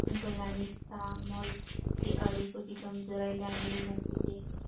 ټولنیز تعامل د اړیکو د کمزورۍ لامل نه کېږي.